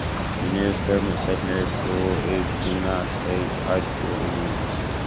The nearest government secondary school is Boonah State High School in Boonah.